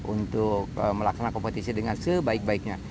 untuk melaksanakan kompetisi dengan sebaik baiknya